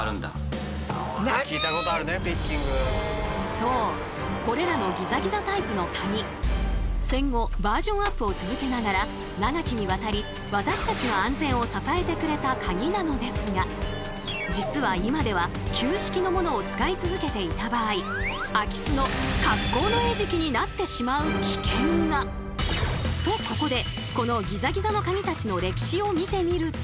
そうこれらのギザギザタイプのカギ戦後バージョンアップを続けながら長きにわたり私たちの安全を支えてくれたカギなのですが実は今では旧式のものを使い続けていた場合空き巣の格好の餌食になってしまう危険が！とここでこのギザギザのカギたちの歴史を見てみると。